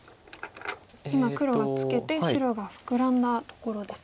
今黒がツケて白がフクラんだところですね。